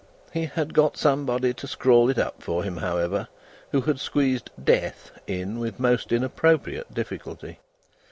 He had got somebody to scrawl it up for him, however, who had squeezed Death in with most inappropriate difficulty.